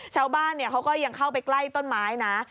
ชาวบ้านเขาก็ยังเข้าไปใกล้ต้นไม้นะ